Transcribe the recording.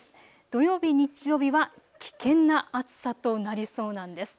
土曜日、日曜日は危険な暑さとなりそうなんです。